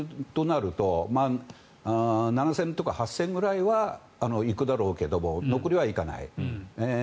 そのうち４５割７０００とか８０００ぐらいは行くだろうけれども残りはいかない。